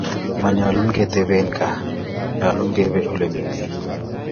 Manyolu kenaite ketepen kaa, makat kepe ole mi pik